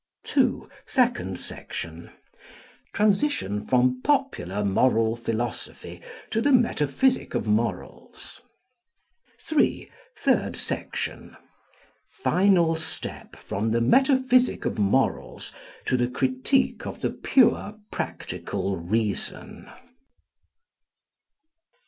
2 SECOND SECTION. Transition from popular moral philosophy to the metaphysic of morals. 3 THIRD SECTION. Final step from the metaphysic of morals to the critique of the pure practical reason.